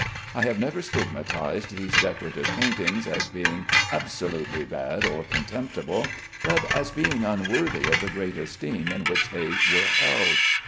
I have never stigmatized these decorative paintings as being absolutely bad or contemptible, but as being unworthy of the great esteem in which they were held.